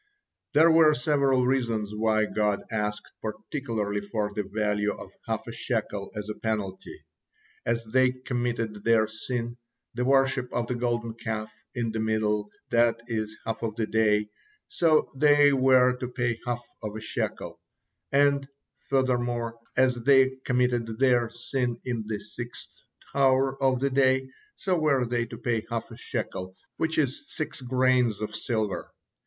There were several reasons why God asked particularly for the value of half a shekel as a penalty. As they committed their sin, the worship of the Golden Calf, in the middle, that is the half of the day, so they were to pay half of a shekel; and, furthermore, as they committed their sin in the sixth hour of the day, so were they to pay half a shekel, which is six grains of silver.